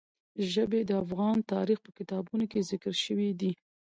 ژبې د افغان تاریخ په کتابونو کې ذکر شوي دي.